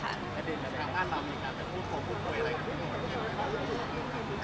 จริงสมควรพูดพูดคุยอะไรอย่างนี้